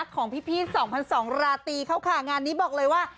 ของพี่๒๒๐๐ราตรีเขาค่ะงานนี้บอกเลยว่า